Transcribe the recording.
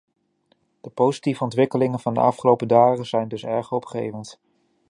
De positieve ontwikkelingen van de afgelopen dagen zijn dus erg hoopgevend.